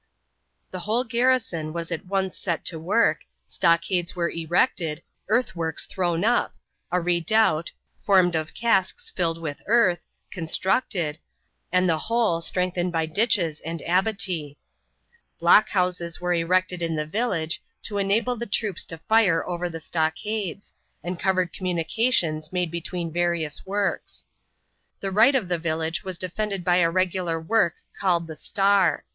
The whole garrison was at once set to work, stockades were erected, earthworks thrown up, a redoubt formed of casks filled with earth constructed, and the whole strengthened by ditches and abattis. Blockhouses were erected in the village to enable the troops to fire over the stockades, and covered communications made between various works. The right of the village was defended by a regular work called the Star.